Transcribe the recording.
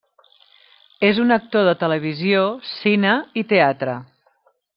És un actor de televisió, cine i teatre.